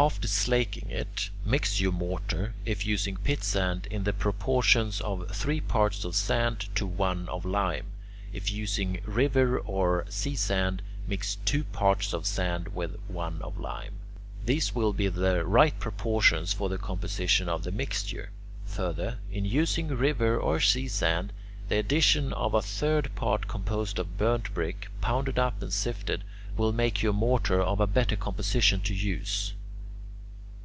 After slaking it, mix your mortar, if using pitsand, in the proportions of three parts of sand to one of lime; if using river or sea sand, mix two parts of sand with one of lime. These will be the right proportions for the composition of the mixture. Further, in using river or sea sand, the addition of a third part composed of burnt brick, pounded up and sifted, will make your mortar of a better composition to use.